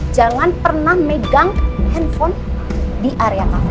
jangan pernah megang hp di area cafe